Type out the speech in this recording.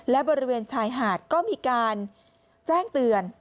และบริเวณชายหาดก็มีการแจ้งเตือน